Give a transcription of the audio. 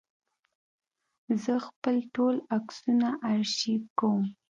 زه خپل ټول عکسونه آرشیف کوم.